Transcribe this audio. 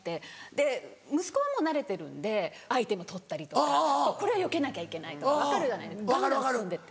で息子はもう慣れてるんでアイテム取ったりとかこれはよけなきゃいけないとか分かるじゃないですかガンガン進んでって。